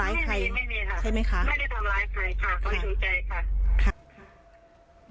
ไม่ได้ทำร้ายใครค่ะขอบคุณใจค่ะ